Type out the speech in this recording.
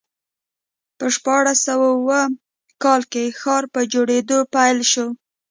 په شپاړس سوه اووه کال کې ښار په جوړېدو پیل شو.